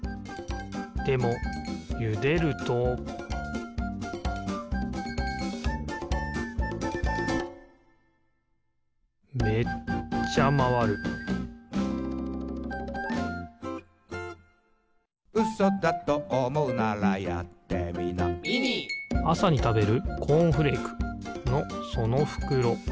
でもゆでるとめっちゃまわるあさにたべるコーンフレークのそのふくろ。